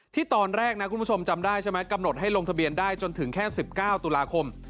ตอนแรกนะคุณผู้ชมจำได้ใช่ไหมกำหนดให้ลงทะเบียนได้จนถึงแค่๑๙ตุลาคม